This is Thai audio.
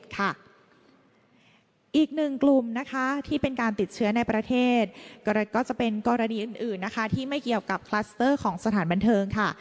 อีกหนึ่งกลุ่มนะคะที่เป็นการติดเชื้อในประเทศก็จะเป็นกรณีอื่นนะคะที่ไม่เกี่ยวกับคลัสเตอร์ของสถานบันเทิงค่ะ